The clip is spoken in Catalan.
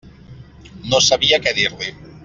No sabia què dir-li.